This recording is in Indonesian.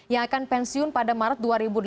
yang akan pensiun pada maret dua ribu delapan belas